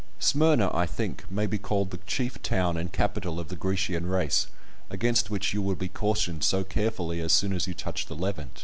Smyrna, I think, may be called the chief town and capital of the Grecian race, against which you will be cautioned so carefully as soon as you touch the Levant.